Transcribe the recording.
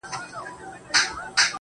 چرته یوه نیمه پاتې سپرغۍ وځلېږي